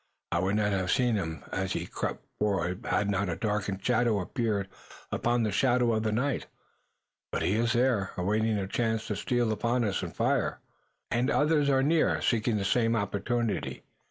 "I would not have seen him as he crept forward had not a darker shadow appeared upon the shadow of the night. But he is there, awaiting a chance to steal upon us and fire." "And others are near, seeking the same opportunity."